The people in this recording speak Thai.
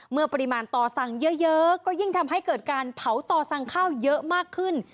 เมื่อปริมาณต่อสั่งเยอะก็ยิ่งทำให้เกิดการเผาต่อสั่งข้าวเยอะมากขึ้น